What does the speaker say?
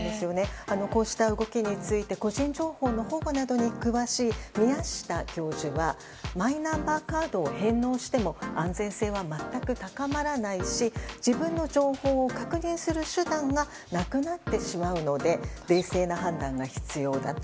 こうした動きについて個人情報の保護などに詳しい宮下教授はマイナンバーカードを返納しても安全性は全く高まらないし自分の情報を確認する手段がなくなってしまうので冷静な判断が必要だと。